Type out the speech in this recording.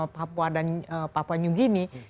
papua dan papua new guinea